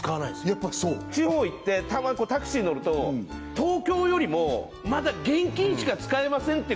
やっぱそう地方行ってたまにタクシー乗ると東京よりもまだ現金しか使えませんって